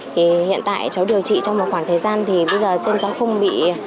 hiện tại cháu điều trị trong một khoảng thời gian thì bây giờ cháu không bị